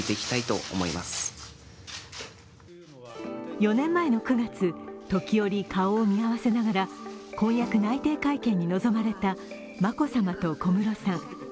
４年前の９月時折顔を見合わせながら婚約内定会見に臨まれた眞子さまと小室さん。